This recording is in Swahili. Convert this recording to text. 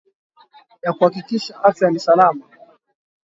ya kuhakikisha afya yako ni salama